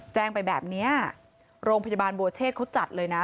แจ้งไปแบบนี้โรงพยาบาลบัวเชษเขาจัดเลยนะ